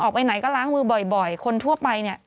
ออกไปไหนก็ล้างมือบ่อยคนทั่วไปเนี่ย